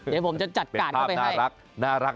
เดี๋ยวผมจะจัดการเข้าไปให้รักน่ารัก